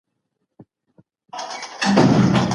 تخیل د انسان د فکر پراختیا ده.